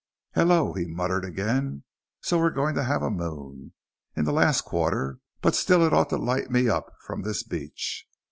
"Hello," he muttered again. "So we're going to have a moon? In the last quarter, but still it ought to light me up from this beach."